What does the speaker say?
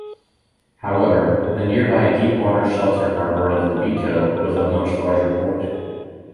However the nearby deep-water sheltered harbour of Lobito was a much larger port.